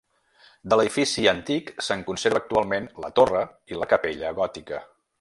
De l'edifici antic, se'n conserva actualment la torre i la capella gòtica.